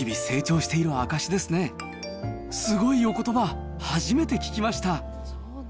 すごいおことば、初めて聞きました。